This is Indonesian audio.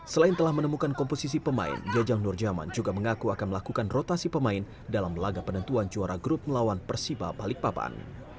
selain telah menemukan komposisi pemain jajang nurjaman juga mengaku akan melakukan rotasi pemain dalam laga penentuan juara grup melawan persiba balikpapan